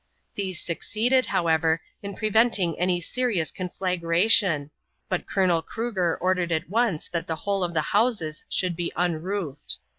These succeeded, however, in preventing any serious conflagration, but Colonel Cruger ordered at once that the whole of the houses should be unroofed.